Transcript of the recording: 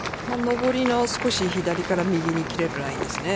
上りの少し左から右に切れるラインですね。